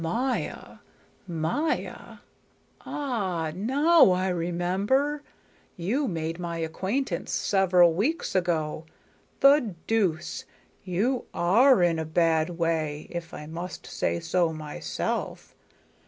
"Maya? Maya? Ah, now I remember. You made my acquaintance several weeks ago. The deuce! You are in a bad way, if I must say so myself.